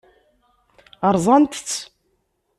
Ṛṛẓant-t?